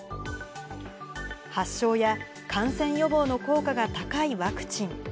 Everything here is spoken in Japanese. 発症や感染予防の効果が高いワクチン。